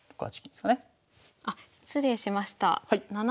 はい失礼しました。